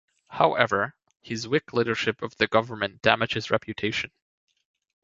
However, his weak leadership of the government damaged his reputation.